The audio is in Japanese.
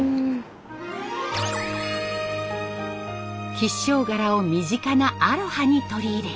吉祥柄を身近なアロハに取り入れ